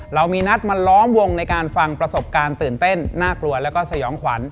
เรามีนัดมาล้อมวงในการฟังประสบการณ์ตื่นเต้นน่ากลัวแล้วก็สยองขวัญ